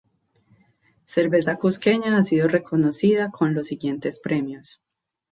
Cerveza Cusqueña ha sido reconocida con los siguientes premios.